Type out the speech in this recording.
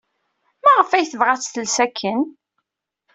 Maɣef ay tebɣa ad tels akken?